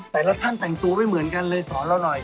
แต่ละท่านแต่งตัวไม่เหมือนกันเลยสอนเราหน่อย